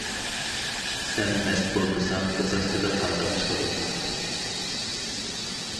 سەن مەست بولمىساڭ قىزىقچىلىق قانداق چىقىدۇ.